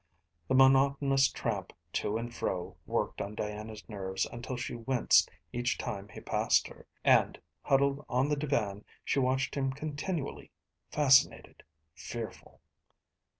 The monotonous tramp to and fro worked on Diana's nerves until she winced each time he passed her, and, huddled on the divan, she watched him continually, fascinated, fearful.